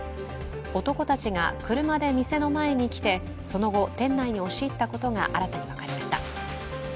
男たちが車で店の前に来てその後、店内に押し入ったことが新たに分かりました。